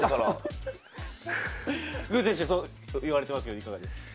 具選手、言われてますけれどもいかがですか？